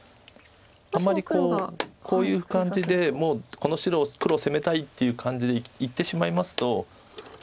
あんまりこうこういう感じでもうこの黒を攻めたいっていう感じでいってしまいますと。